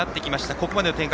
ここまでの展開